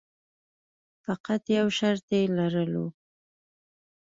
فقط یو شرط یې لرلو.